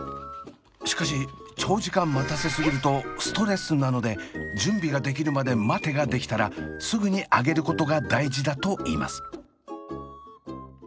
しかし長時間待たせ過ぎるとストレスなので準備ができるまで待てができたらすぐにあげることが大事だといいます。